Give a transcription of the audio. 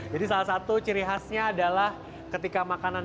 jadi salah satu ciri khasnya adalah ketika makan